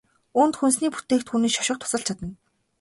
Үүнд хүнсний бүтээгдэхүүний шошго тусалж чадна.